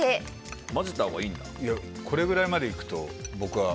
これぐらいまで行くと、僕は。